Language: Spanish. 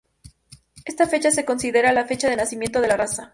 Esta fecha es considerada la fecha de nacimiento de la raza.